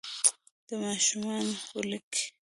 د ماشومانه کولیک